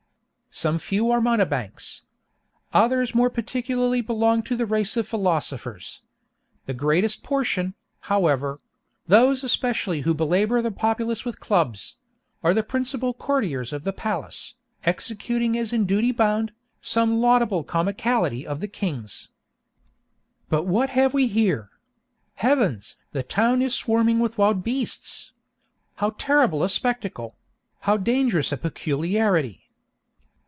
Some few are mountebanks. Others more particularly belong to the race of philosophers. The greatest portion, however—those especially who belabor the populace with clubs—are the principal courtiers of the palace, executing as in duty bound, some laudable comicality of the king's. "But what have we here? Heavens! the town is swarming with wild beasts! How terrible a spectacle!—how dangerous a peculiarity!"